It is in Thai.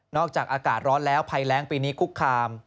อากาศร้อนแล้วภัยแรงปีนี้คุกคาม